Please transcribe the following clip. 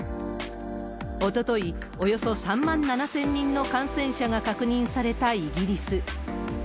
おととい、およそ３万７０００人の感染者が確認されたイギリス。